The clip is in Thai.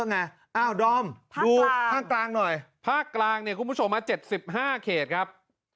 ภาครังกลางเนี่ยคุณผู้ชมมีมา๗๕เขตครับ